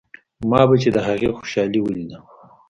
ما به چې د هغې خوشالي وليده.